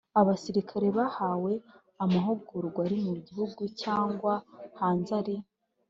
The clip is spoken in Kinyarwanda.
Abasirikare bahawe amahugurwa ari mu gihugu cyangwa hanze ari